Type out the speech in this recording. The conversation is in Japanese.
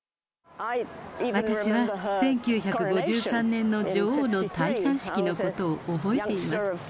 私は、１９５３年の女王の戴冠式のことを覚えています。